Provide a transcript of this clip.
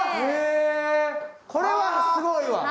これはすごいわ。